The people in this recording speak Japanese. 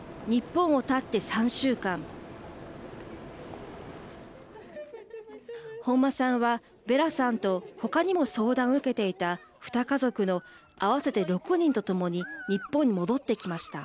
本間さんは、ヴェラさんとほかにも相談を受けていた２家族の合わせて６人とともに日本に戻ってきました。